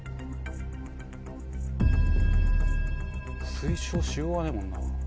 推奨しようがねえもんな。